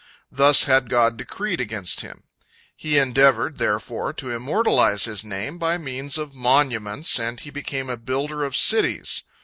Thus had God decreed against him. He endeavored, therefore, to immortalize his name by means of monuments, and he became a builder of cities.